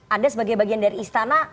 anda sebagai bagian dari istana